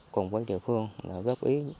cùng với địa phương góp ý